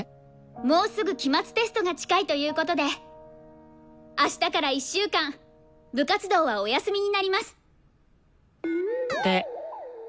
もうすぐ期末テストが近いということであしたから１週間部活動はお休みになります。